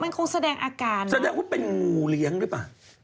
มันคงแสดงอาการแสดงว่าเป็นงูเลี้ยงหรือเปล่า